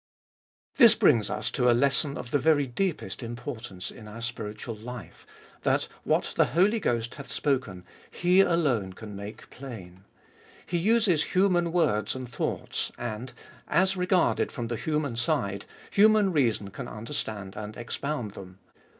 This brings us to a lesson of the very deepest importance in our spiritual life : that what the Holy Ghost hath spoken, He alone can make plain. He uses human words and thoughts, and, as regarded from the human side, human reason can understand and expound them.